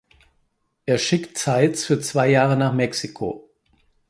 Er schickt Zeitz für zwei Jahre nach Mexiko.